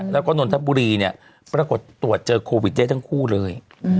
แล้วก็นนทบุรีเนี่ยปรากฏตรวจเจอโควิดได้ทั้งคู่เลย